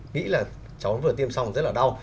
nghĩ là cháu vừa tiêm xong rất là đau